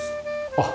あっ。